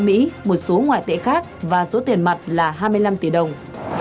một số ngoại tệ khác và số tiền mặt là hai mươi năm tỷ đồng